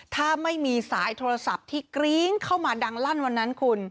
ถ้าไม่มีสายโทรศัพท์ที่กริ้งเข้ามาดังลั่นวันนั้นคุณ